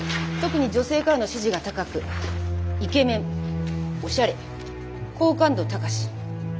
特に女性からの支持が高くイケメンおしゃれ好感度高し。